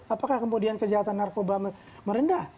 apakah kemudian kejahatan narkoba merendah